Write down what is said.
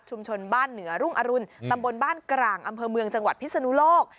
บ้านเหนือรุ่งอรุณตำบลบ้านกลางอำเภอเมืองจังหวัดพิศนุโลก